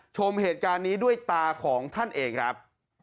ชมเหตุการณ์นี้ด้วยตาของท่านเองครับ